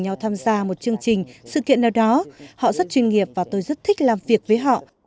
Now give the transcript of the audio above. họ rất chuyên nghiệp và tôi rất thích làm việc với họ